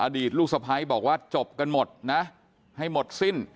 ลูกสะพ้ายบอกว่าจบกันหมดนะให้หมดสิ้น